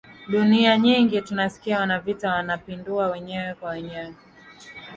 dunia nyingi tunasikia wanavita wanapinduana wenyewe kwa wenyewe